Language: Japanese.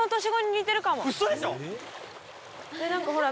何かほら